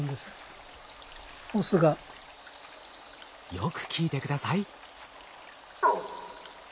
よく聞いて下さい。